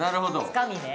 つかみね。